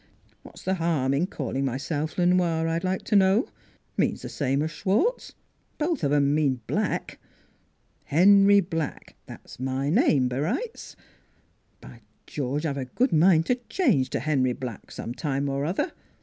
What's the harm in calling myself Le Noir, I'd like to know? Means the same as Schwartz. Both of 'em mean Black. Henry Black that's my name, b'rights. By George, I've a good mind to change to Henry Black, sometime or other!